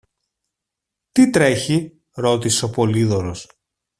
Τι τρέχει; ρώτησε ο Πολύδωρος.